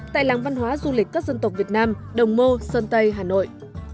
tại làng văn hóa du lịch các dân tộc việt nam đồng mô sơn tây hà nội